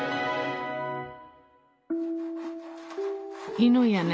犬やね